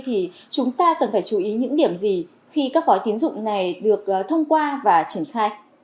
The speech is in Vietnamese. thì chúng ta cần phải chú ý những điểm gì khi các gói tín dụng này được thông qua và triển khai